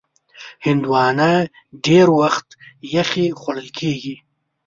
هندوانه ډېر وخت یخې خوړل کېږي.